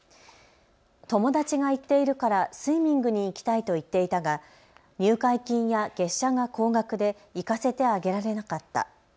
友達が行っているからスイミングに行きたいと言っていたが入会金や月謝が高額で行かせてあげられなかった。